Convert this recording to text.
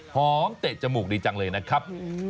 เตะจมูกดีจังเลยนะครับ